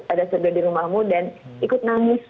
ada surga di rumahmu dan ikut nangis